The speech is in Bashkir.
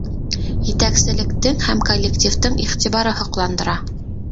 Етәкселектең һәм коллективтың иғтибары һоҡландыра.